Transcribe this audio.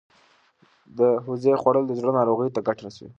د هوږې خوړل د زړه ناروغیو ته ګټه رسوي.